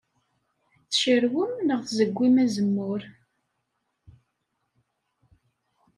Tcarwem neɣ tzeggim azemmur?